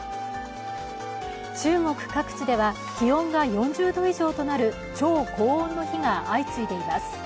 中国各地では気温が４０度以上となる超高温の日が相次いでいます。